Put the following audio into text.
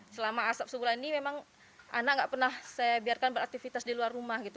selama asap sebulan ini memang anak nggak pernah saya biarkan beraktivitas di luar rumah gitu